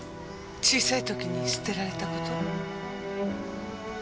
小さい時に捨てられた事？